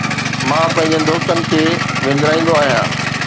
مان پنهنجن دوستن کي وندرائيندو آهيان